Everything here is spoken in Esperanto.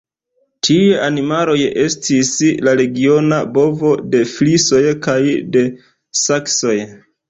Tiuj animaloj estis la regiona bovo de frisoj kaj de saksoj.